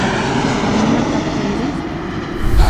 Imataq kayri?